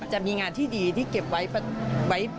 จะมีงานที่ดีที่เก็บไว้